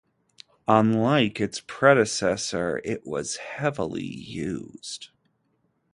Unlike its predecessor it was heavily used.